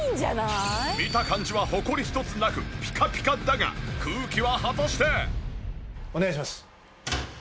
見た感じはホコリ１つなくピカピカだが空気は果たして？お願いします。